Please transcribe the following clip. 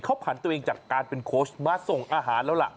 เขาผ่านตัวเองจากการเป็นโค้ชมาส่งอาหารแล้วล่ะ